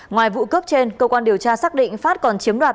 ngoài vụ cướp trên cơ quan điều tra xác định phát còn chiếm đoạt